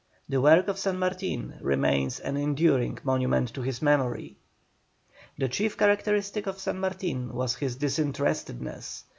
The work of San Martin remains an enduring monument to his memory. The chief characteristic of San Martin was his disinterestedness.